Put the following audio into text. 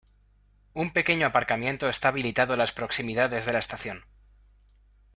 Un pequeño aparcamiento está habilitado en las proximidades de la estación.